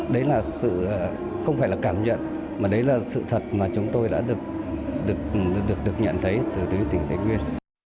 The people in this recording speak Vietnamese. đấy là sự không phải là cảm nhận mà đấy là sự thật mà chúng tôi đã được nhận thấy từ tỉnh thái nguyên